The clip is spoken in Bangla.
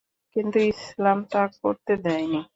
কিন্তু ইসলাম তা করতে দেয়নি।